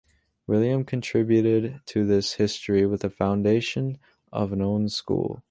William contributed to this history with the foundation of an own school.